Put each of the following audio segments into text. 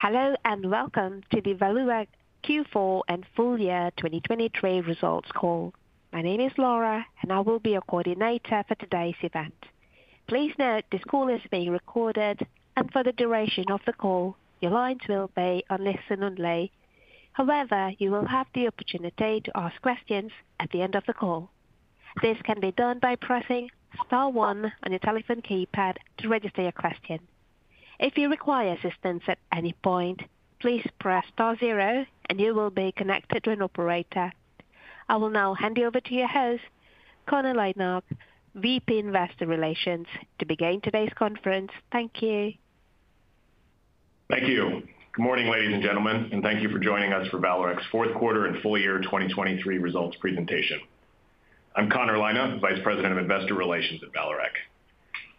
Hello, and welcome to the Vallourec Q4 and full year 2023 results call. My name is Laura, and I will be your coordinator for today's event. Please note, this call is being recorded, and for the duration of the call, your lines will be on listen-only. However, you will have the opportunity to ask questions at the end of the call. This can be done by pressing star one on your telephone keypad to register your question. If you require assistance at any point, please press star zero and you will be connected to an operator. I will now hand you over to your host, Connor Lynagh, VP Investor Relations, to begin today's conference. Thank you. Thank you. Good morning, ladies and gentlemen, and thank you for joining us for Vallourec's fourth quarter and full year 2023 results presentation. I'm Connor Lynagh, Vice President of Investor Relations at Vallourec.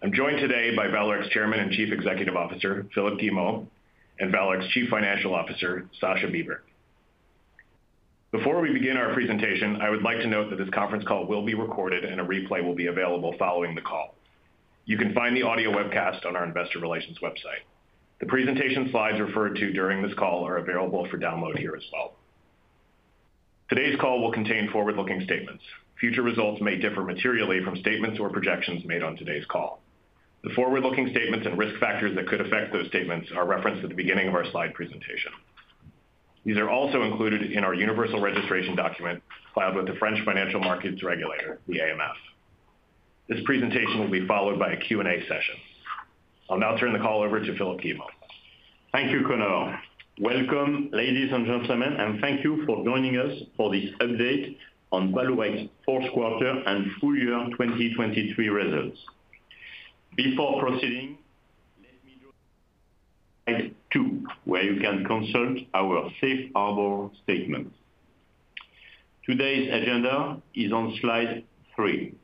I'm joined today by Vallourec's Chairman and Chief Executive Officer, Philippe Guillemot, and Vallourec's Chief Financial Officer, Sascha Bibert. Before we begin our presentation, I would like to note that this conference call will be recorded and a replay will be available following the call. You can find the audio webcast on our investor relations website. The presentation slides referred to during this call are available for download here as well. Today's call will contain forward-looking statements. Future results may differ materially from statements or projections made on today's call. The forward-looking statements and risk factors that could affect those statements are referenced at the beginning of our slide presentation. These are also included in our universal registration document filed with the French Financial Markets Regulator, the AMF. This presentation will be followed by a Q&A session. I'll now turn the call over to Philippe Guillemot. Thank you, Connor. Welcome, ladies and gentlemen, and thank you for joining us for this update on Vallourec's fourth quarter and full year 2023 results. Before proceeding, let me... slide two, where you can consult our safe harbor statement. Today's agenda is on slide three.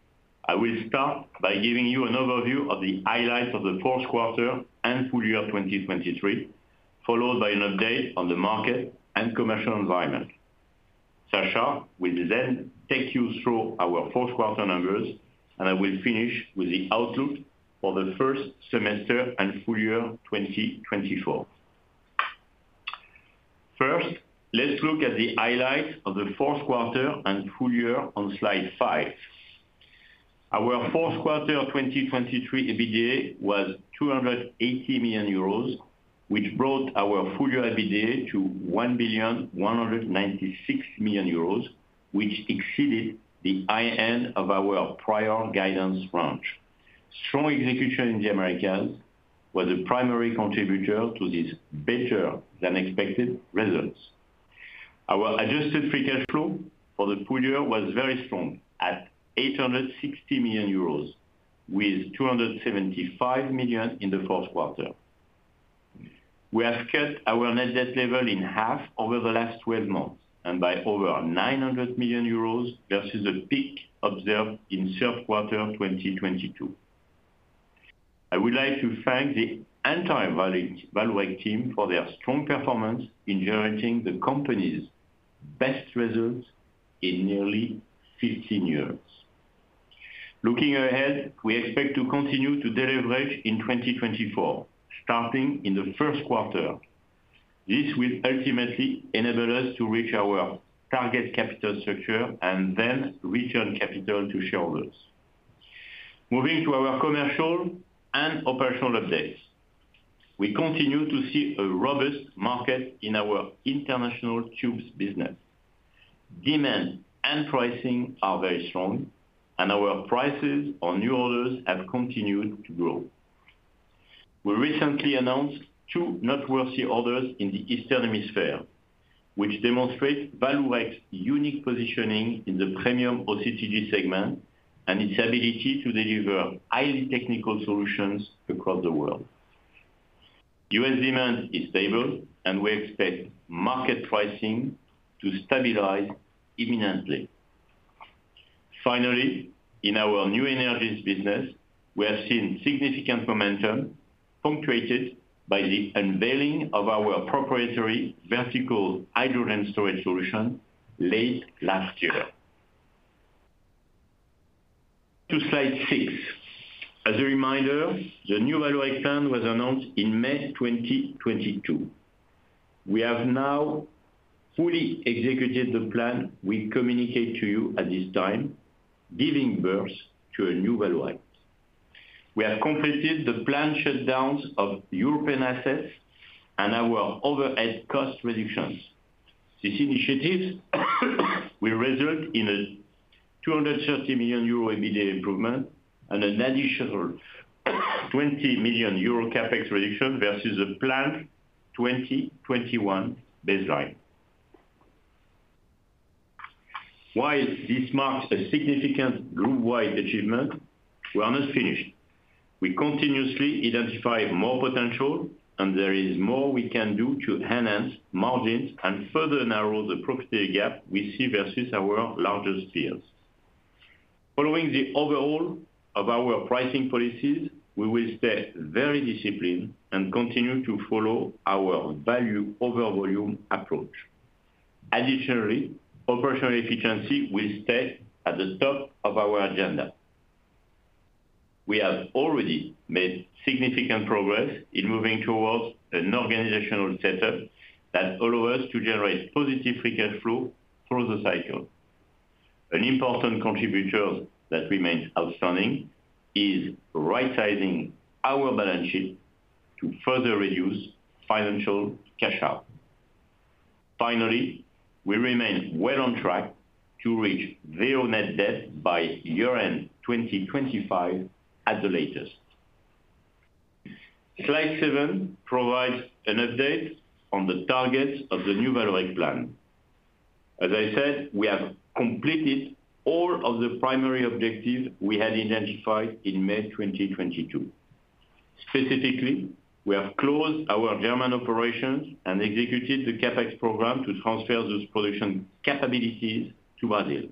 I will start by giving you an overview of the highlights of the fourth quarter and full year of 2023, followed by an update on the market and commercial environment. Sascha will then take you through our fourth quarter numbers, and I will finish with the outlook for the first semester and full year 2024. First, let's look at the highlights of the fourth quarter and full year on slide five. Our fourth quarter of 2023 EBITDA was 280 million euros, which brought our full year EBITDA to 1,196 million euros, which exceeded the high end of our prior guidance range. Strong execution in the Americas was the primary contributor to these better than expected results. Our adjusted free cash flow for the full year was very strong, at 860 million euros, with 275 million in the fourth quarter. We have cut our net debt level in half over the last 12 months, and by over 900 million euros versus a peak observed in third quarter of 2022. I would like to thank the entire Vallourec team for their strong performance in generating the company's best results in nearly 15 years. Looking ahead, we expect to continue to deleverage in 2024, starting in the first quarter. This will ultimately enable us to reach our target capital structure and then return capital to shareholders. Moving to our commercial and operational updates. We continue to see a robust market in our international tubes business. Demand and pricing are very strong, and our prices on new orders have continued to grow. We recently announced two noteworthy orders in the Eastern Hemisphere, which demonstrate Vallourec's unique positioning in the premium OCTG segment and its ability to deliver highly technical solutions across the world. U.S. demand is stable, and we expect market pricing to stabilize imminently. Finally, in our New Energies business, we have seen significant momentum, punctuated by the unveiling of our proprietary vertical hydrogen storage solution late last year. To slide six. As a reminder, the New Vallourec plan was announced in May 2022. We have now fully executed the plan we communicate to you at this time, giving birth to a new Vallourec. We have completed the planned shutdowns of European assets and our overhead cost reductions. This initiative will result in a 230 million euro EBITDA improvement and an additional 20 million euro CapEx reduction versus a planned 2021 baseline. While this marks a significant group-wide achievement, we are not finished. We continuously identify more potential, and there is more we can do to enhance margins and further narrow the prosperity gap we see versus our largest peers. Following the overhaul of our pricing policies, we will stay very disciplined and continue to follow our Value over Volume approach. Additionally, operational efficiency will stay at the top of our agenda. We have already made significant progress in moving towards an organizational setup that allow us to generate positive free cash flow through the cycle. An important contributor that remains outstanding is right-sizing our balance sheet to further reduce financial cash out. Finally, we remain well on track to reach zero net debt by year-end 2025 at the latest. Slide seven provides an update on the targets of the New Vallourec plan. As I said, we have completed all of the primary objectives we had identified in May 2022. Specifically, we have closed our German operations and executed the CapEx program to transfer those production capabilities to Brazil.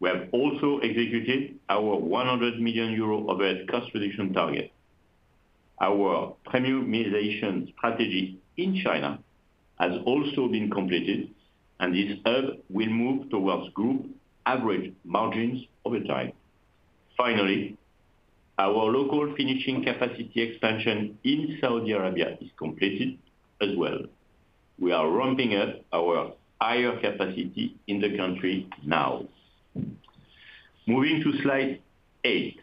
We have also executed our 100 million euro overhead cost reduction target. Our premiumization strategy in China has also been completed, and this hub will move towards group average margins over time. Finally, our local finishing capacity expansion in Saudi Arabia is completed as well. We are ramping up our higher capacity in the country now. Moving to slide eight.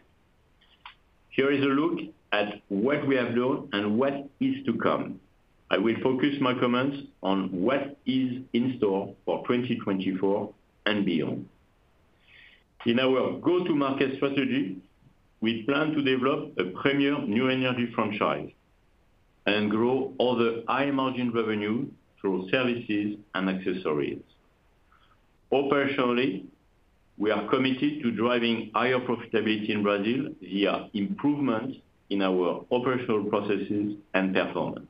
Here is a look at what we have done and what is to come. I will focus my comments on what is in store for 2024 and beyond. In our go-to-market strategy, we plan to develop a premier new energy franchise and grow other high-margin revenue through services and accessories. Operationally, we are committed to driving higher profitability in Brazil via improvement in our operational processes and performance.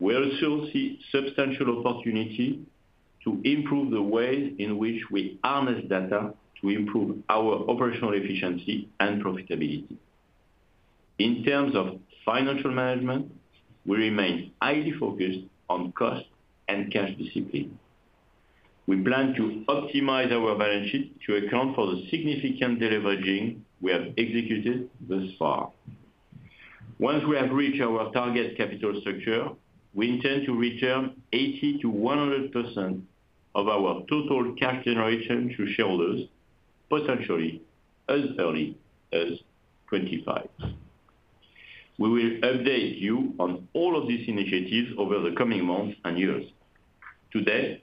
We also see substantial opportunity to improve the way in which we harness data to improve our operational efficiency and profitability. In terms of financial management, we remain highly focused on cost and cash discipline. We plan to optimize our balance sheet to account for the significant deleveraging we have executed thus far. Once we have reached our target capital structure, we intend to return 80%-100% of our total cash generation to shareholders, potentially as early as 2025. We will update you on all of these initiatives over the coming months and years. Today,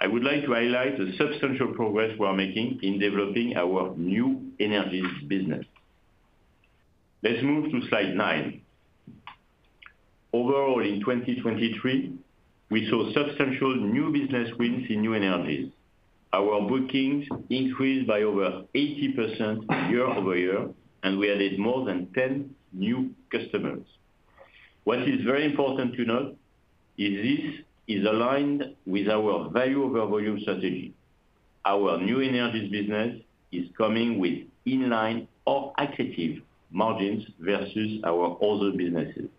I would like to highlight the substantial progress we are making in developing our New Energies business. Let's move to slide nine. Overall, in 2023, we saw substantial new business wins in New Energies. Our bookings increased by over 80% year-over-year, and we added more than 10 new customers. What is very important to note is this is aligned with our Value over Volume strategy. Our New Energies business is coming with in-line or accretive margins versus our other businesses.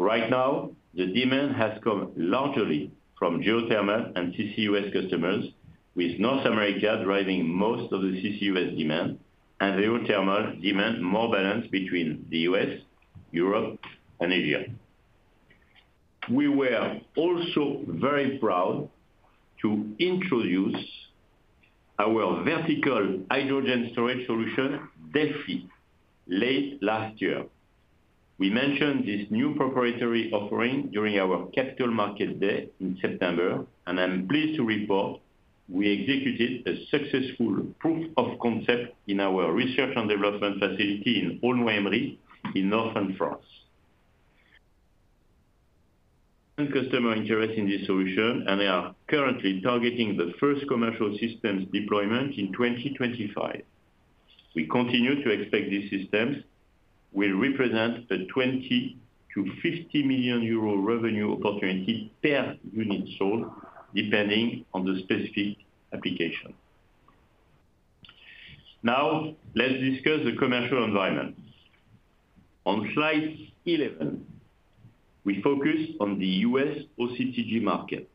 Right now, the demand has come largely from geothermal and CCUS customers, with North America driving most of the CCUS demand, and the geothermal demand more balanced between the U.S., Europe, and Asia. We were also very proud to introduce our vertical hydrogen storage solution, Delphy, late last year. We mentioned this new proprietary offering during our Capital Market Day in September, and I'm pleased to report we executed a successful proof of concept in our research and development facility in Aulnoye-Aymeries in northern France. And customer interest in this solution, and they are currently targeting the first commercial systems deployment in 2025. We continue to expect these systems will represent a 20 million-50 million euro revenue opportunity per unit sold, depending on the specific application. Now, let's discuss the commercial environment. On slide 11, we focus on the U.S. OCTG market.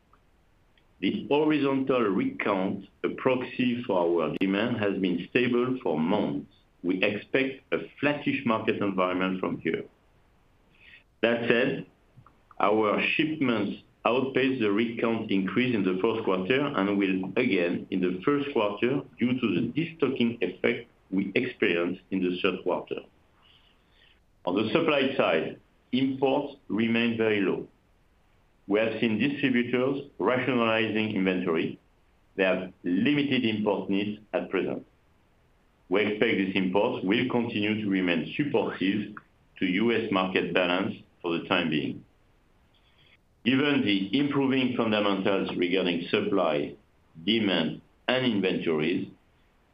This horizontal rig count, a proxy for our demand, has been stable for months. We expect a flattish market environment from here. That said, our shipments outpaced the rig count increase in the fourth quarter and will again in the first quarter due to the destocking effect we experienced in the third quarter. On the supply side, imports remain very low. We have seen distributors rationalizing inventory. They have limited import needs at present. We expect this import will continue to remain supportive to U.S. market balance for the time being. Given the improving fundamentals regarding supply, demand, and inventories,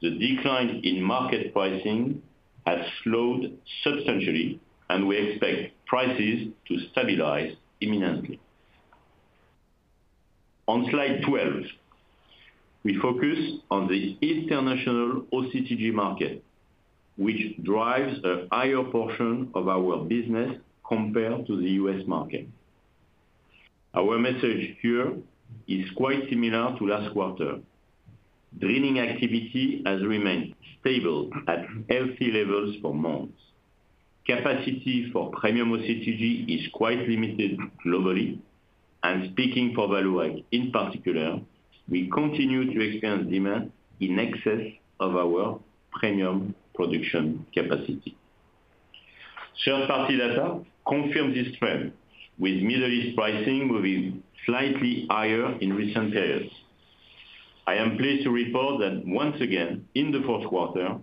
the decline in market pricing has slowed substantially, and we expect prices to stabilize imminently. On slide 12, we focus on the international OCTG market, which drives a higher portion of our business compared to the U.S. market. Our message here is quite similar to last quarter. Drilling activity has remained stable at healthy levels for months. Capacity for premium OCTG is quite limited globally, and speaking for Vallourec in particular, we continue to experience demand in excess of our premium production capacity. Third-party data confirms this trend, with Middle East pricing moving slightly higher in recent periods. I am pleased to report that once again, in the fourth quarter,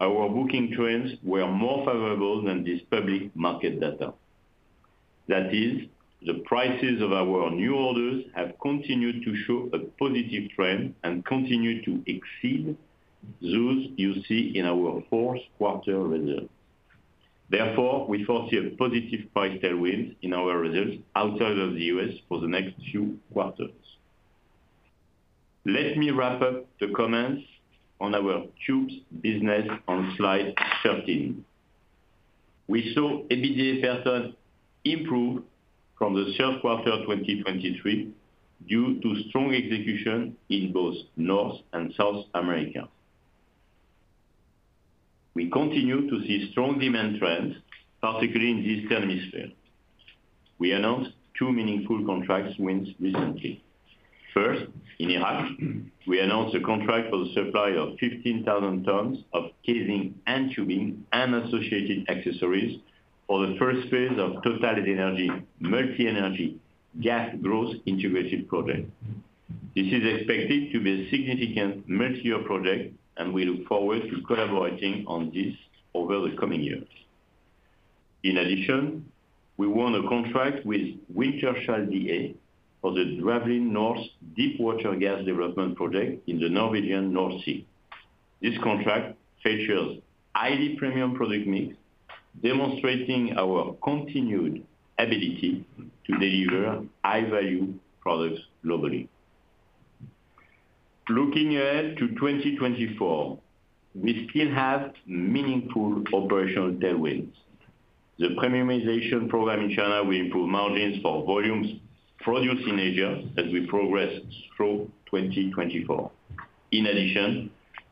our booking trends were more favorable than this public market data. That is, the prices of our new orders have continued to show a positive trend and continue to exceed those you see in our fourth quarter results. Therefore, we foresee a positive price tailwind in our results outside of the U.S. for the next few quarters. Let me wrap up the comments on our tubes business on slide 13. We saw EBITDA improved from the third quarter of 2023 due to strong execution in both North and South America. We continue to see strong demand trends, particularly in this hemisphere. We announced two meaningful contract wins recently. First, in Iraq, we announced a contract for the supply of 15,000 tons of casing and tubing and associated accessories for the first phase of TotalEnergies' multi-energy Gas Growth Integrated Project. This is expected to be a significant multi-year project, and we look forward to collaborating on this over the coming years. In addition, we won a contract with Wintershall Dea for the Dvalin North deepwater gas development project in the Norwegian North Sea. This contract features highly premium product mix, demonstrating our continued ability to deliver high-value products globally. Looking ahead to 2024, we still have meaningful operational tailwinds. The premiumization program in China will improve margins for volumes produced in Asia as we progress through 2024. In addition,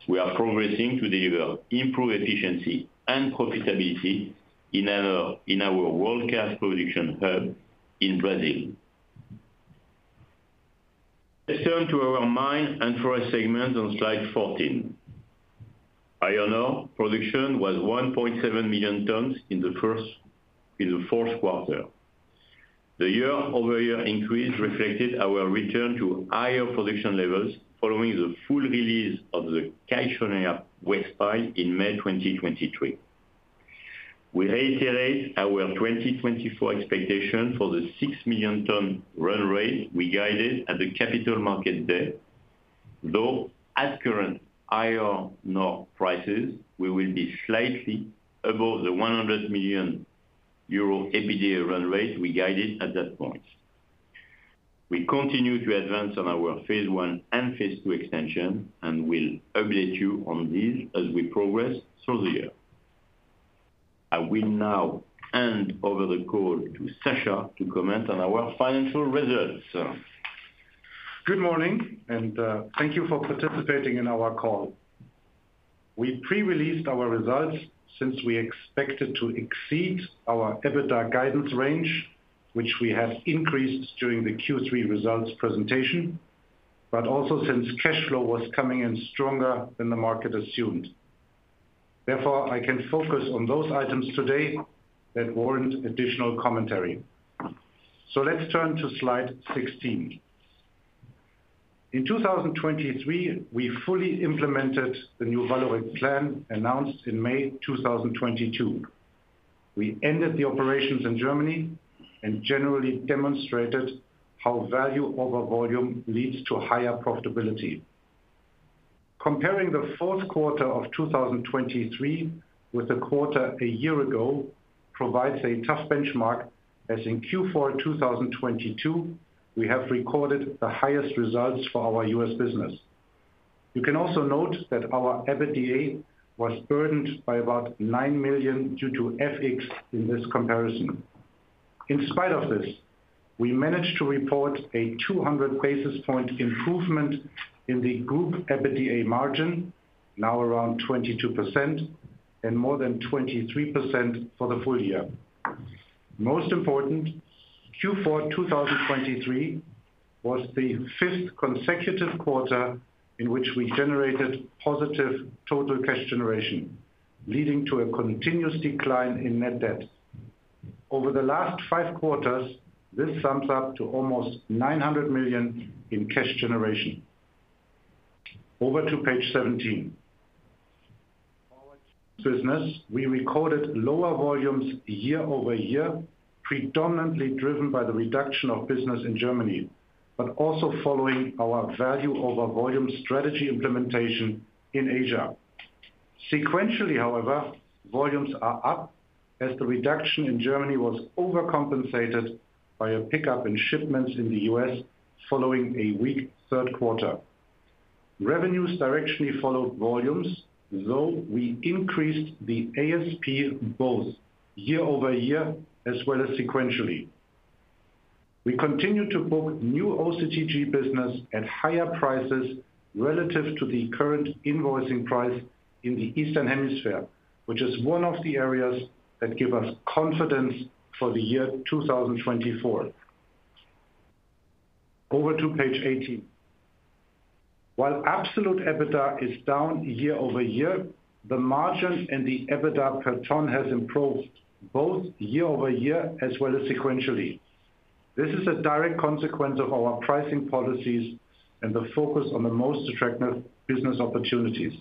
we are progressing to deliver improved efficiency and profitability in our world-class production hub in Brazil. Let's turn to our Mine & Forest segment on slide 14. Iron ore production was 1.7 million tons in the fourth quarter. The year-over-year increase reflected our return to higher production levels following the full release of the Cachoeirinha west pile in May 2023. We reiterate our 2024 expectation for the 6 million ton run rate we guided at the Capital Market Day, though, at current higher ore prices, we will be slightly above the 100 million euro EBITDA run rate we guided at that point. We continue to advance on our phase one and phase two extension, and we'll update you on this as we progress through the year. I will now hand over the call to Sascha to comment on our financial results. Good morning, and thank you for participating in our call. We pre-released our results since we expected to exceed our EBITDA guidance range, which we have increased during the Q3 results presentation, but also since cash flow was coming in stronger than the market assumed. Therefore, I can focus on those items today that warrant additional commentary. So let's turn to slide 16. In 2023, we fully implemented the New Vallourec plan announced in May 2022. We ended the operations in Germany and generally demonstrated how Value over Volume leads to higher profitability. Comparing the fourth quarter of 2023 with the quarter a year ago provides a tough benchmark, as in Q4 2022, we have recorded the highest results for our U.S. business. You can also note that our EBITDA was burdened by about 9 million due to FX in this comparison. In spite of this, we managed to report a 200 basis point improvement in the group EBITDA margin, now around 22%, and more than 23% for the full year. Most important, Q4 2023 was the fifth consecutive quarter in which we generated positive total cash generation, leading to a continuous decline in net debt. Over the last five quarters, this sums up to almost 900 million in cash generation. Over to page 17. Business, we recorded lower volumes year-over-year, predominantly driven by the reduction of business in Germany, but also following our Value over Volume strategy implementation in Asia. Sequentially, however, volumes are up as the reduction in Germany was overcompensated by a pickup in shipments in the U.S. following a weak third quarter. Revenues directionally followed volumes, though we increased the ASP both year-over-year as well as sequentially. We continue to book new OCTG business at higher prices relative to the current invoicing price in the Eastern Hemisphere, which is one of the areas that give us confidence for the year 2024. Over to page 18. While absolute EBITDA is down year-over-year, the margin and the EBITDA per ton has improved both year-over-year as well as sequentially. This is a direct consequence of our pricing policies and the focus on the most attractive business opportunities.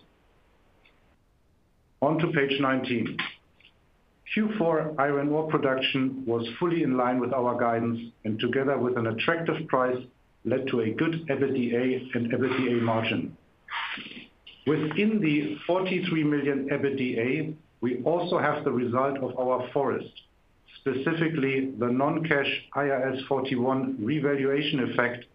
On to page 19. Q4 iron ore production was fully in line with our guidance, and together with an attractive price, led to a good EBITDA and EBITDA margin. Within the 43 million EBITDA, we also have the result of our forest, specifically the non-cash IAS 41 revaluation effect.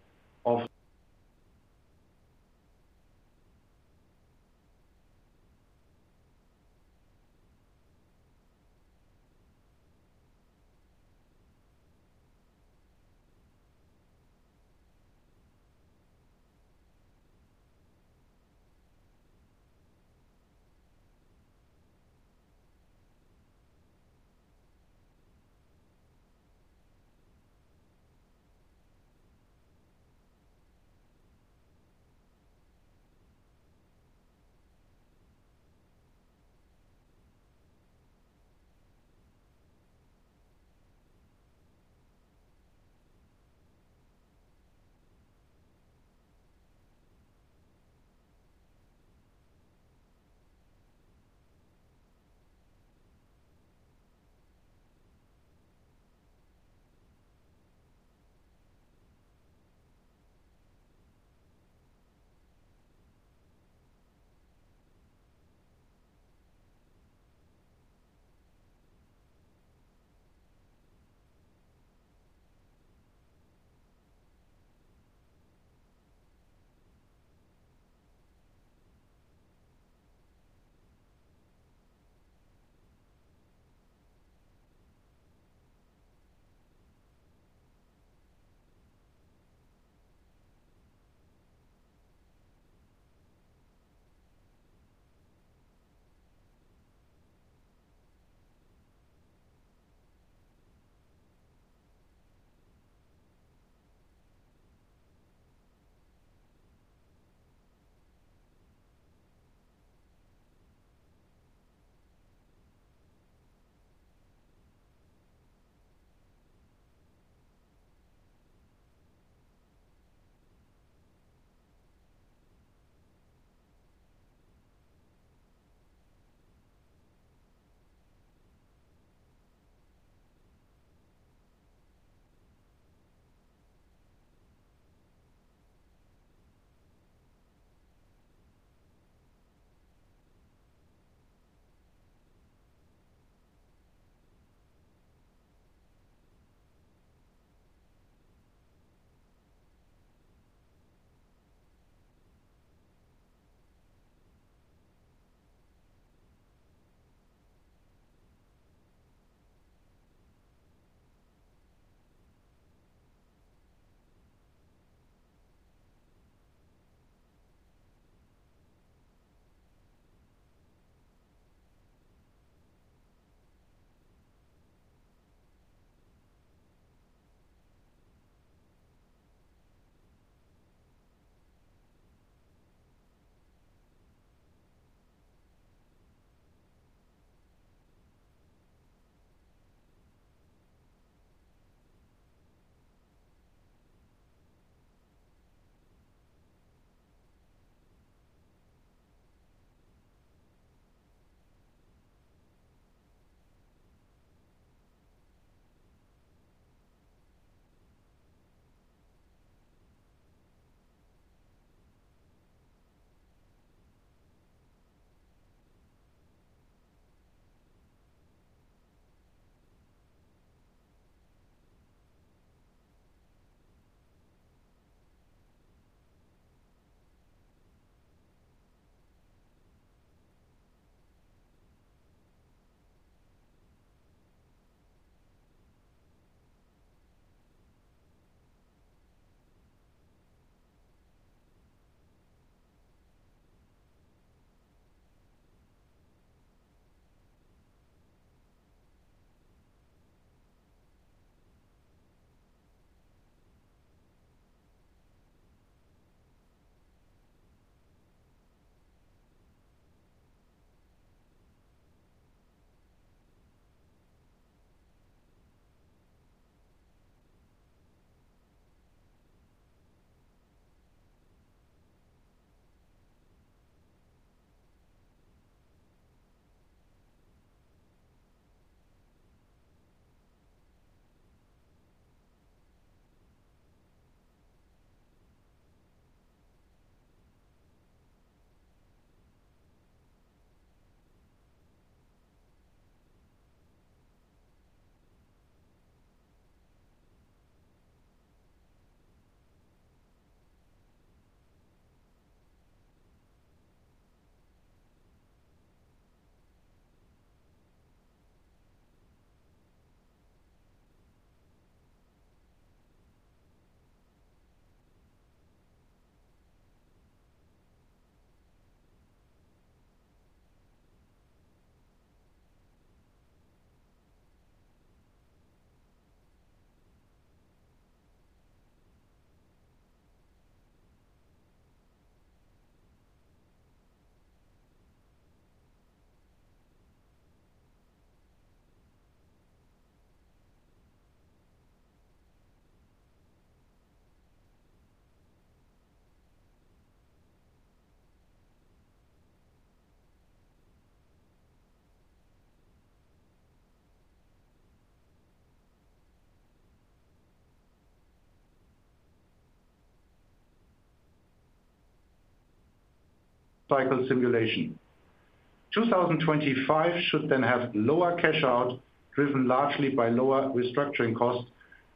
2025 should then have lower cash out, driven largely by lower restructuring costs,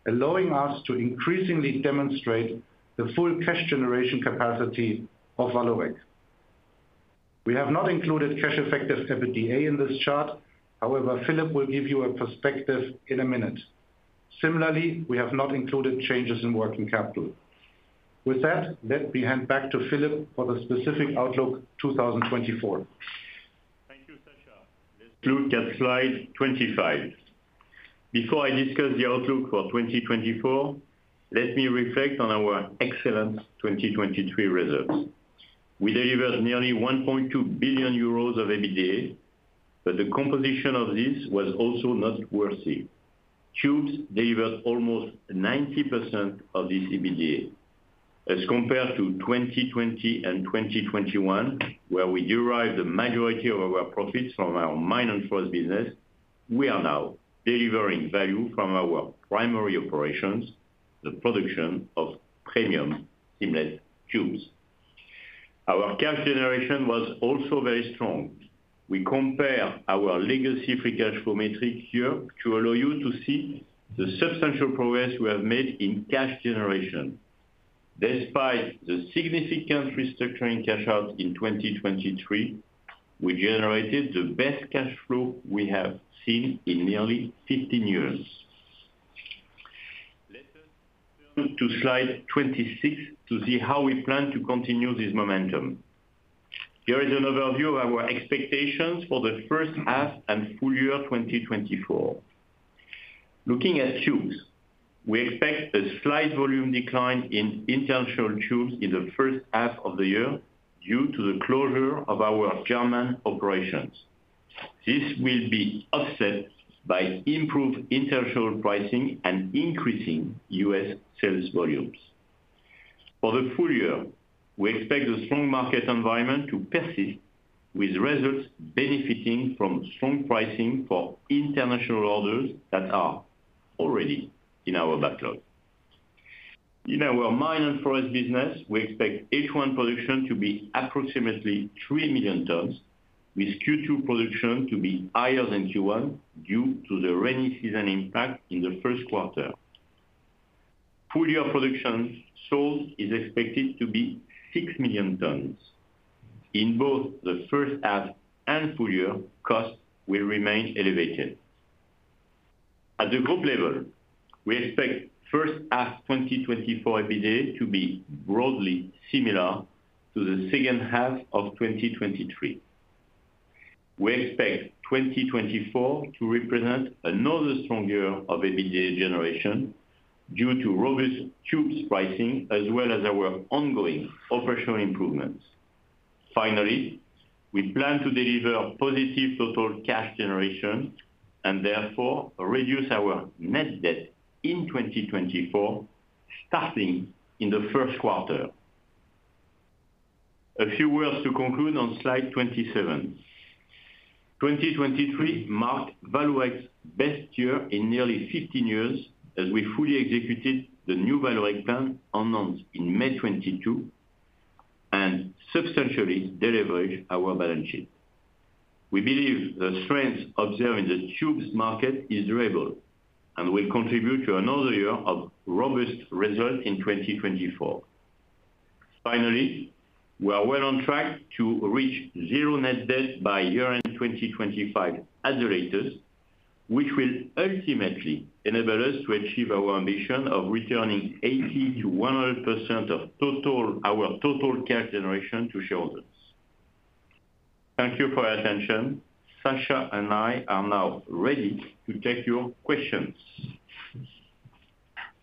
allowing us to increasingly demonstrate the full cash generation capacity of Vallourec. We have not included cash effective EBITDA in this chart. However, Philippe will give you a perspective in a minute. Similarly, we have not included changes in working capital. With that, let me hand back to Philippe for the specific outlook 2024. Thank you, Sascha. Let's look at slide 25. Before I discuss the outlook for 2024, let me reflect on our excellent 2023 results. We delivered nearly 1.2 billion euros of EBITDA, but the composition of this was also noteworthy. Tubes delivered almost 90% of this EBITDA. As compared to 2020 and 2021, where we derived the majority of our profits from our mine and forest business, we are now delivering value from our primary operations, the production of premium seamless tubes. Our cash generation was also very strong. We compare our legacy free cash flow metric here to allow you to see the substantial progress we have made in cash generation. Despite the significant restructuring cash out in 2023, we generated the best cash flow we have seen in nearly 15 years. Let's move to slide 26 to see how we plan to continue this momentum. Here is an overview of our expectations for the first half and full year 2024. Looking at tubes, we expect a slight volume decline in international tubes in the first half of the year due to the closure of our German operations. This will be offset by improved international pricing and increasing U.S. sales volumes. For the full year, we expect the strong market environment to persist, with results benefiting from strong pricing for international orders that are already in our backlog. In our mine and forest business, we expect H1 production to be approximately 3 million tons, with Q2 production to be higher than Q1 due to the rainy season impact in the first quarter. Full year production sold is expected to be 6 million tons. In both the first half and full year, costs will remain elevated. At the group level, we expect first half 2024 EBITDA to be broadly similar to the second half of 2023. We expect 2024 to represent another strong year of EBITDA generation due to robust tubes pricing, as well as our ongoing operational improvements. Finally, we plan to deliver positive total cash generation and therefore reduce our net debt in 2024, starting in the first quarter. A few words to conclude on slide 27. 2023 marked Vallourec's best year in nearly 15 years, as we fully executed the New Vallourec plan announced in May 2022, and substantially deleveraged our balance sheet. We believe the strength observed in the tubes market is durable and will contribute to another year of robust results in 2024. Finally, we are well on track to reach zero net debt by year-end 2025 at the latest, which will ultimately enable us to achieve our ambition of returning 80%-100% of our total cash generation to shareholders. Thank you for your attention. Sascha and I are now ready to take your questions.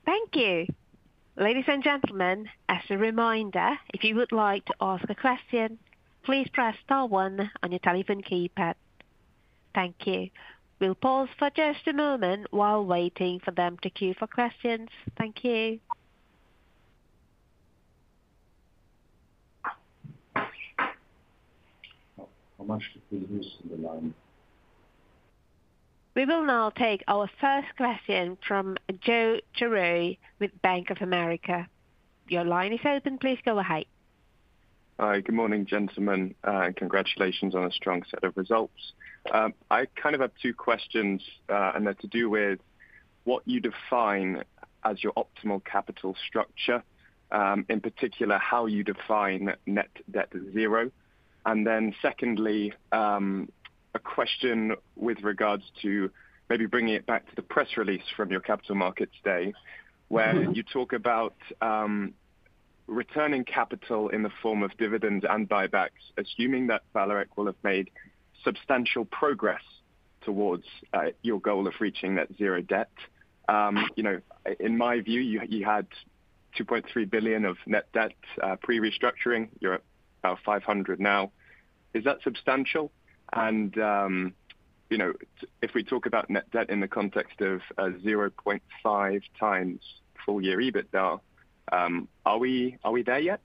Thank you. Ladies and gentlemen, as a reminder, if you would like to ask a question, please press star one on your telephone keypad. Thank you. We'll pause for just a moment while waiting for them to queue for questions. Thank you. How much did we lose in the line? We will now take our first question from Joe Churay with Bank of America. Your line is open, please go ahead. Hi, good morning, gentlemen, and congratulations on a strong set of results. I kind of have two questions, and they're to do with what you define as your optimal capital structure. In particular, how you define net debt zero. And then secondly, a question with regards to maybe bringing it back to the press release from your capital markets day, where you talk about, returning capital in the form of dividends and buybacks, assuming that Vallourec will have made substantial progress towards, your goal of reaching that zero debt. You know, in my view, you had 2.3 billion of net debt, pre-restructuring. You're at about 500 million now. Is that substantial? You know, if we talk about net debt in the context of 0.5 times full year EBITDA, are we, are we there yet?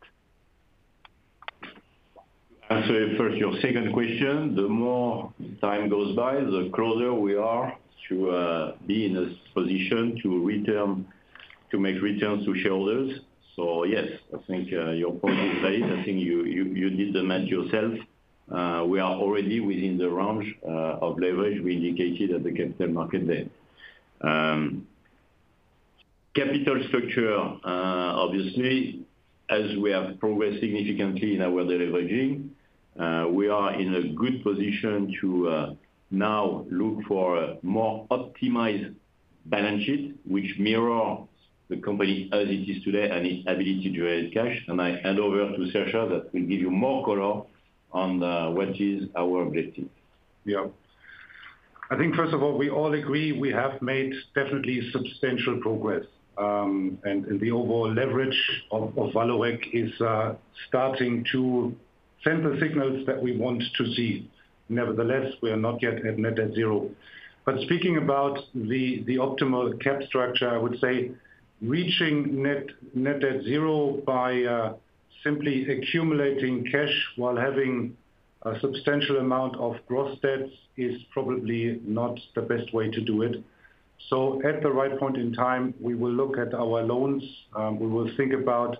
I'll answer first your second question. The more time goes by, the closer we are to be in a position to return, to make returns to shareholders. So yes, I think your point is right. I think you, you, you did the math yourself. We are already within the range of leverage we indicated at the capital market day. Capital structure, obviously, as we have progressed significantly in our deleveraging, we are in a good position to now look for a more optimized balance sheet, which mirror the company as it is today and its ability to raise cash. And I hand over to Sascha that will give you more color on what is our objective. Yeah. I think, first of all, we all agree we have made definitely substantial progress. And the overall leverage of Vallourec is starting to send the signals that we want to see. Nevertheless, we are not yet at net debt zero. But speaking about the optimal cap structure, I would say reaching net debt zero by simply accumulating cash while having a substantial amount of gross debts is probably not the best way to do it. So at the right point in time, we will look at our loans. We will think about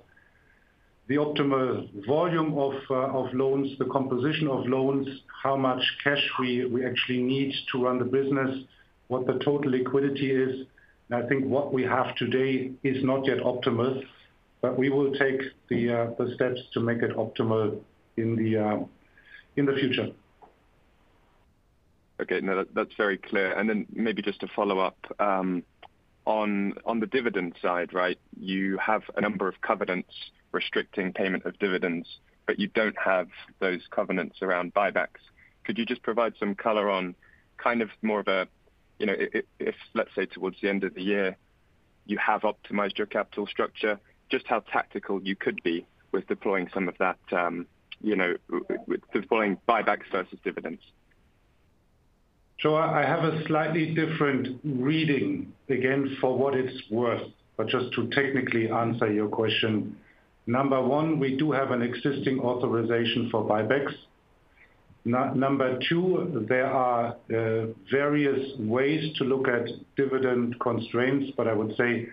the optimal volume of loans, the composition of loans, how much cash we actually need to run the business, what the total liquidity is. I think what we have today is not yet optimal, but we will take the steps to make it optimal in the future. Okay, no, that, that's very clear. Then maybe just to follow up on the dividend side, right? You have a number of covenants restricting payment of dividends, but you don't have those covenants around buybacks. Could you just provide some color on kind of more of a, you know, if, let's say, towards the end of the year, you have optimized your capital structure, just how tactical you could be with deploying some of that, you know, deploying buybacks versus dividends. So I have a slightly different reading, again, for what it's worth, but just to technically answer your question. Number one, we do have an existing authorization for buybacks. Number two, there are various ways to look at dividend constraints, but I would say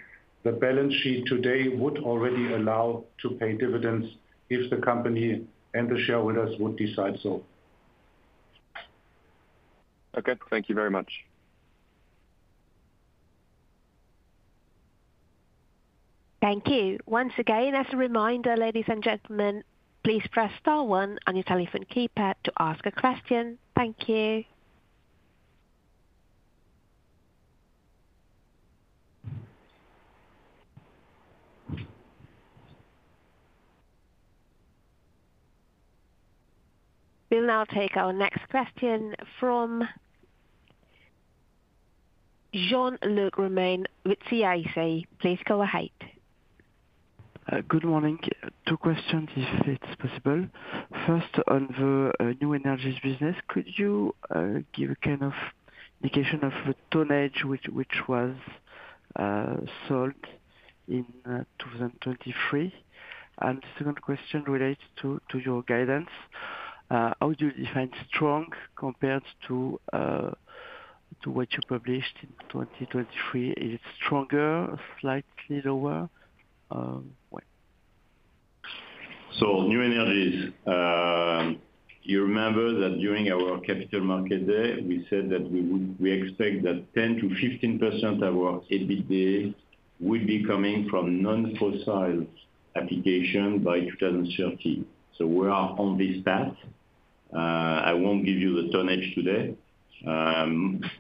the balance sheet today would already allow to pay dividends if the company and the shareholders would decide so. Okay. Thank you very much. Thank you. Once again, as a reminder, ladies and gentlemen, please press star one on your telephone keypad to ask a question. Thank you. We'll now take our next question from Jean-Luc Romain with CIC. Please go ahead. Good morning. Two questions, if it's possible. First, on the New Energies business, could you give a kind of indication of the tonnage which was sold in 2023? And the second question relates to your guidance. How do you define strong compared to what you published in 2023? Is it stronger, slightly lower? What? So New Energies. You remember that during our capital market day, we said that we expect that 10%-15% of our EBITDA will be coming from non-fossil application by 2030. So we are on this path. I won't give you the tonnage today.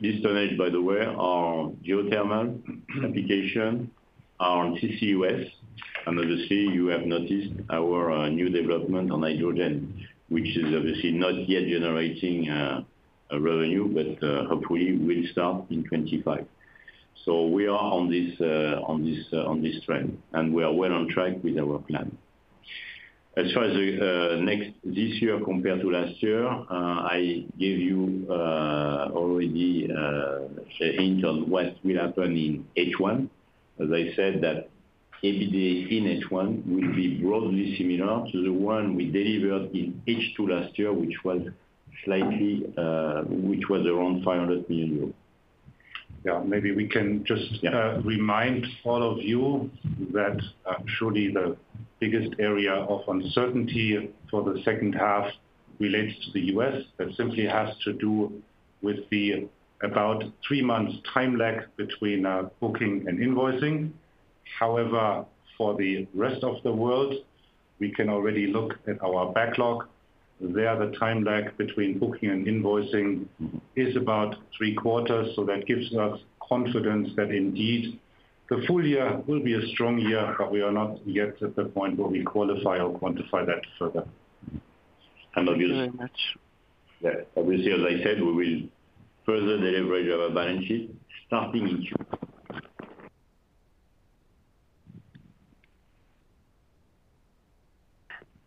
This tonnage, by the way, are geothermal application, are CCUS. And obviously, you have noticed our new development on hydrogen, which is obviously not yet generating a revenue, but hopefully will start in 2025. So we are on this, on this, on this trend, and we are well on track with our plan. As far as this year compared to last year, I gave you already a hint on what will happen in H1. As I said, that EBITDA in H1 will be broadly similar to the one we delivered in H2 last year, which was slightly, which was around 500 million euros. Yeah, maybe we can just remind all of you that surely the biggest area of uncertainty for the second half relates to the U.S. That simply has to do with the about three months time lag between booking and invoicing. However, for the rest of the world, we can already look at our backlog. There, the time lag between booking and invoicing is about three quarters, so that gives us confidence that indeed the full year will be a strong year, but we are not yet at the point where we qualify or quantify that further. Thank you very much. Yeah. Obviously, as I said, we will further the leverage of our balance sheet, starting in June.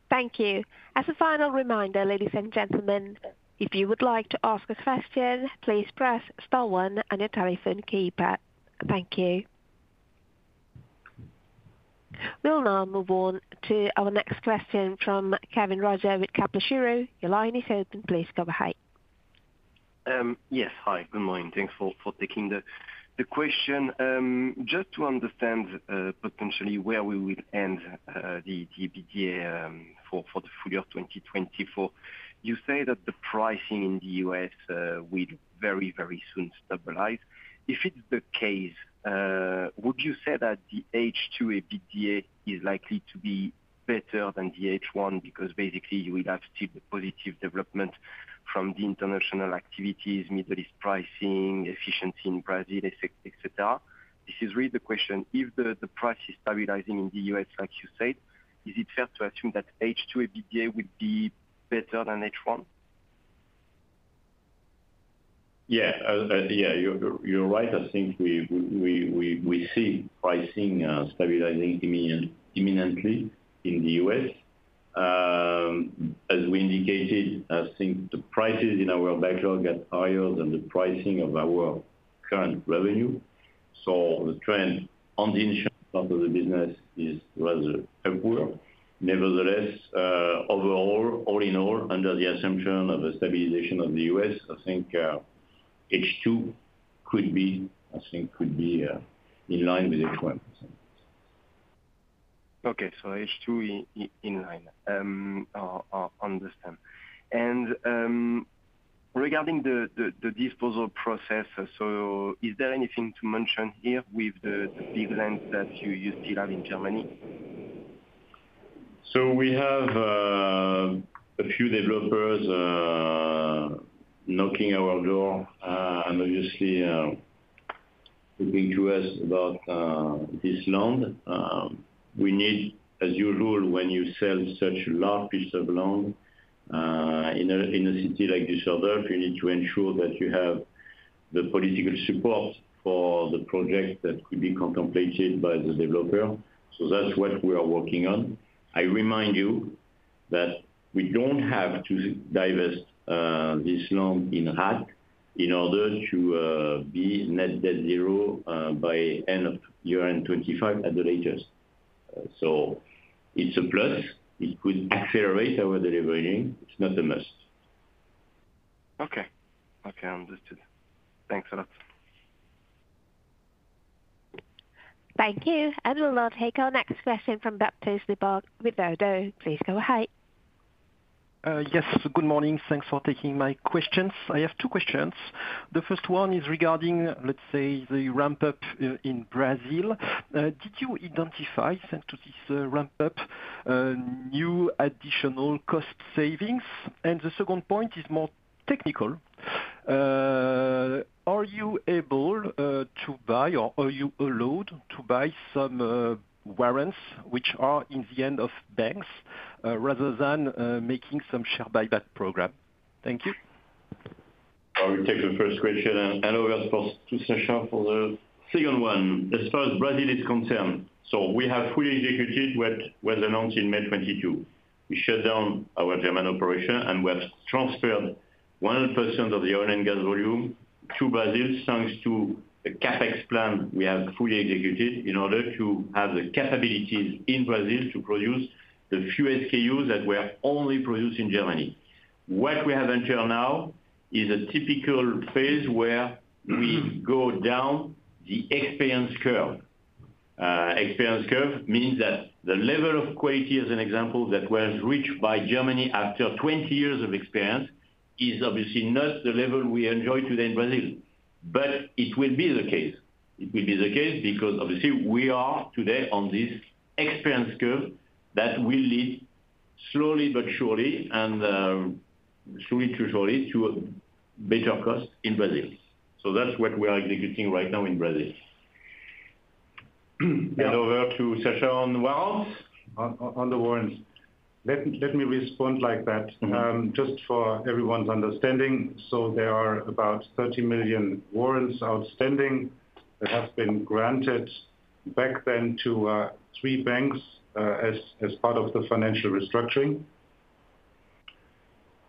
Thank you. As a final reminder, ladies and gentlemen, if you would like to ask a question, please press star one on your telephone keypad. Thank you. We'll now move on to our next question from Kévin Roger with Kepler Cheuvreux. Your line is open. Please go ahead. Yes. Hi, good morning. Thanks for taking the question. Just to understand potentially where we will end the EBITDA for the full year of 2024. You say that the pricing in the U.S. will very soon stabilize. If it's the case, would you say that the H2 EBITDA is likely to be better than the H1? Because basically you will have still the positive development from the international activities, Middle East pricing, efficiency in Brazil, et cetera. This is really the question: if the price is stabilizing in the U.S., like you said, is it fair to assume that H2 EBITDA will be better than H1? Yeah. Yeah, you're right. I think we see pricing stabilizing imminently in the U.S. As we indicated, I think the prices in our backlog get higher than the pricing of our current revenue. So the trend on the initial part of the business is rather upward. Nevertheless, overall, all in all, under the assumption of a stabilization of the U.S., I think H2 could be in line with H1. Okay. So H2 in line. Understand. And, regarding the disposal process, so is there anything to mention here with the designs that you still have in Germany? So we have a few developers knocking our door, and obviously talking to us about this land. We need, as usual, when you sell such large piece of land, in a city like Düsseldorf, you need to ensure that you have the political support for the project that could be contemplated by the developer. So that's what we are working on. I remind you that we don't have to divest this land in a hurry in order to be net debt zero, by end of year-end 2025 at the latest. So it's a plus. It could accelerate our delivery. It's not a must. Okay. Okay, understood. Thanks a lot. Thank you. We'll now take our next question from Baptiste Lebacq with ODDO. Please go ahead. Yes. Good morning. Thanks for taking my questions. I have two questions. The first one is regarding, let's say, the ramp-up in Brazil. Did you identify, thanks to this ramp-up, new additional cost savings? And the second point is more technical. Are you able to buy or are you allowed to buy some warrants which are in the end of banks, rather than making some share buyback program? Thank you. I will take the first question and hand over to Sascha for the second one. As far as Brazil is concerned, so we have fully executed what was announced in May 2022. We shut down our German operation, and we have transferred 100% of the oil and gas volume to Brazil, thanks to a CapEx plan we have fully executed in order to have the capabilities in Brazil to produce the few SKUs that were only produced in Germany. What we have until now is a typical phase where we go down the experience curve. Experience curve means that the level of quality, as an example, that was reached by Germany after 20 years of experience, is obviously not the level we enjoy today in Brazil. But it will be the case. It will be the case because obviously we are today on this experience curve that will lead slowly but surely and slowly to surely to a better cost in Brazil. So that's what we are executing right now in Brazil. Hand over to Sascha on the warrants. On the warrants. Let me respond like that just for everyone's understanding. So there are about 30 million warrants outstanding that have been granted back then to three banks as part of the financial restructuring.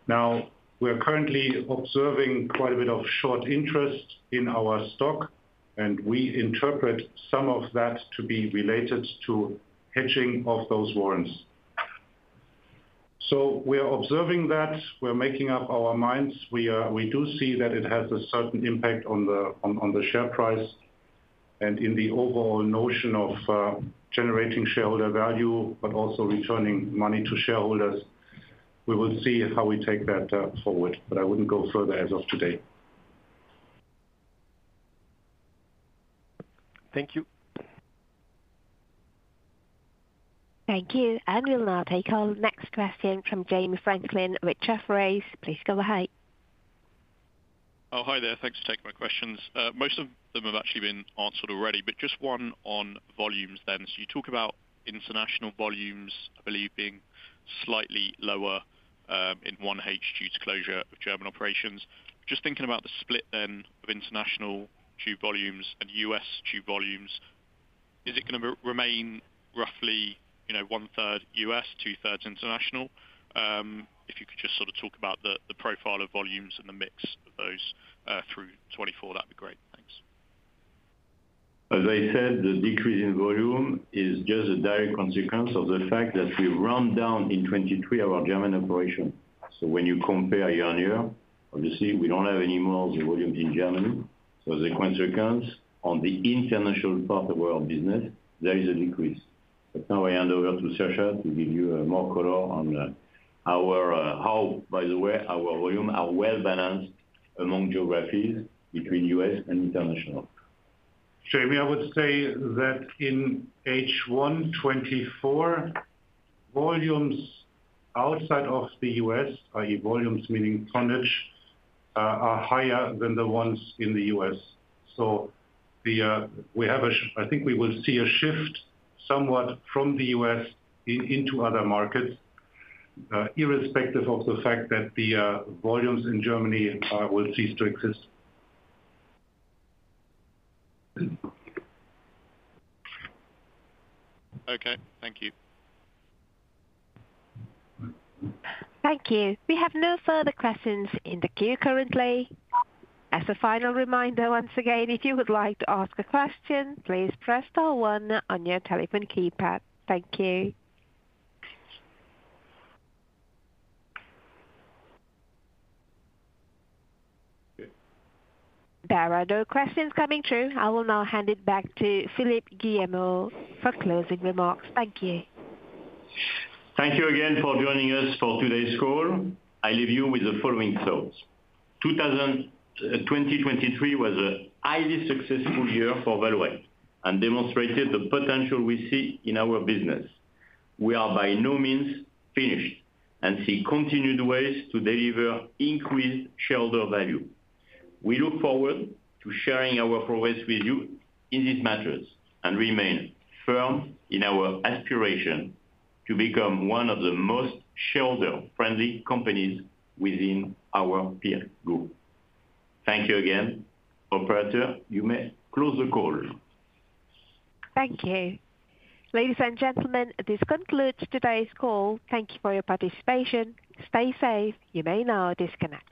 Now, we are currently observing quite a bit of short interest in our stock, and we interpret some of that to be related to hedging of those warrants. So we are observing that. We're making up our minds. We do see that it has a certain impact on the share price and in the overall notion of generating shareholder value, but also returning money to shareholders. We will see how we take that forward, but I wouldn't go further as of today. Thank you. Thank you. And we'll now take our next question from Jamie Franklin, with Jefferies. Please go ahead. Oh, hi there. Thanks for taking my questions. Most of them have actually been answered already, but just one on volumes then. So you talk about international volumes, I believe, being slightly lower in one H2 to closure of German operations. Just thinking about the split then of international tube volumes and U.S. tube volumes, is it gonna remain roughly, you know, one third U.S., two thirds international? If you could just sort of talk about the profile of volumes and the mix of those through 2024, that'd be great. Thanks. As I said, the decrease in volume is just a direct consequence of the fact that we wound down in 2023 our German operation. So when you compare year-on-year, obviously, we don't have any more the volumes in Germany. So the consequence on the international part of our business, there is a decrease. But now I hand over to Sascha to give you more color on how, by the way, our volumes are well balanced among geographies between U.S. and international. Jamie, I would say that in H1 2024, volumes outside of the U.S., i.e. volumes meaning tonnage, are higher than the ones in the U.S. So the, we have a I think we will see a shift somewhat from the U.S. in, into other markets, irrespective of the fact that the, volumes in Germany, will cease to exist. Okay, thank you. Thank you. We have no further questions in the queue currently. As a final reminder, once again, if you would like to ask a question, please press star one on your telephone keypad. Thank you. There are no questions coming through. I will now hand it back to Philippe Guillemot for closing remarks. Thank you. Thank you again for joining us for today's call. I leave you with the following thoughts: 2023 was a highly successful year for Vallourec and demonstrated the potential we see in our business. We are by no means finished and see continued ways to deliver increased shareholder value. We look forward to sharing our progress with you in these matters and remain firm in our aspiration to become one of the most shareholder-friendly companies within our peer group. Thank you again. Operator, you may close the call. Thank you. Ladies and gentlemen, this concludes today's call. Thank you for your participation. Stay safe. You may now disconnect.